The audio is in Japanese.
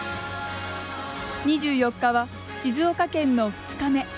２４日は静岡県の２日目。